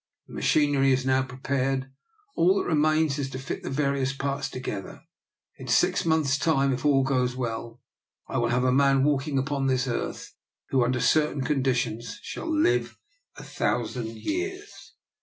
The machinery is now prepared; all that remains is to fit the various parts together. In six months* time, if all goes well, I will have a man walking upon this earth who, under certain conditions, shall live a thousand years.'